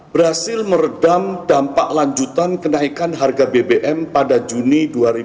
berhasil meredam dampak lanjutan kenaikan harga bbm pada juni dua ribu dua puluh